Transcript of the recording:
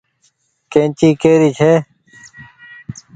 ڪيئنچي ڪي ري ڇي ۔